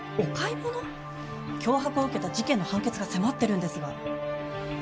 脅迫を受けた事件の判決が迫ってるんですが。